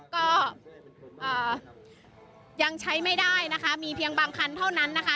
ก็ยังใช้ไม่ได้นะคะมีเพียงบางคันเท่านั้นนะคะ